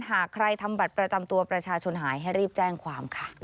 หากใครทำบัตรประจำตัวประชาชนหายให้รีบแจ้งความค่ะ